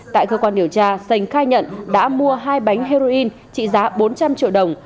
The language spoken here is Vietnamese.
tại cơ quan điều tra sành khai nhận đã mua hai bánh heroin trị giá bốn trăm linh triệu đồng